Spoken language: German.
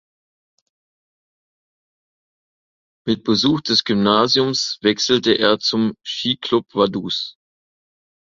Mit Besuch des Gymnasiums wechselte er zum "Skiclub Vaduz".